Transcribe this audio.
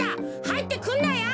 はいってくんなよ！